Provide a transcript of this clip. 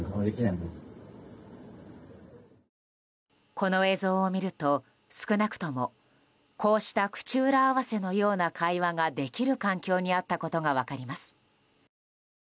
この映像を見ると、少なくともこうした口裏合わせのような会話ができる環境にあったことが分かります。